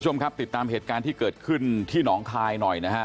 คุณผู้ชมครับติดตามเหตุการณ์ที่เกิดขึ้นที่หนองคายหน่อยนะฮะ